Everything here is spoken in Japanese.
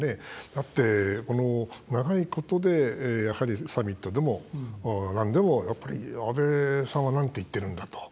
だって、長いことでやはり、サミットでもなんでも安倍さんはなんて言ってるんだと。